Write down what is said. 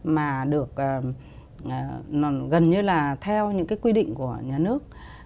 mà được gần như là theo những cái quy định của nhà nước